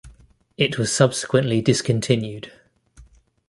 It was subsequently discontinued.